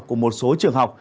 của một số trường học